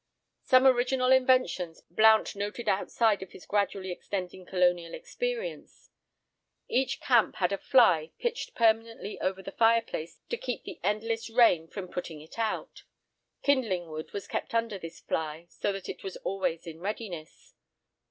Some original inventions Blount noted outside of his gradually extending colonial experience. Each camp had a "fly" pitched permanently over the fire place to keep the endless rain from putting it out. "Kindling" wood was kept under this fly, so that it was always in readiness.